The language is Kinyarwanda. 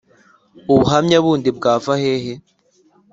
ubuhamya bundi bwava hehe